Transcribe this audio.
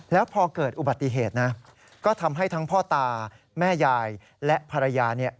แล้วพอเกิดอุบัติเหตุนะก็ทำให้ทั้งพ่อตาแม่ยายและภรรยาเนี่ย